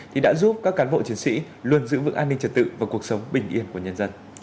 thì đã giúp các cán bộ chiến sĩ luôn giữ vững an ninh trật tự và cuộc sống bình yên của nhân dân